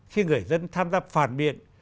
khi người dân tham gia phản biện